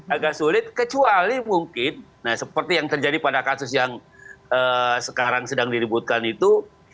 agak sulit kecuali mungkin seperti yang terjadi pada kasus yang sekarang sedang diributkan itu